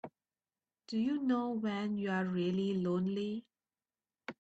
Do you know when you're really lonely?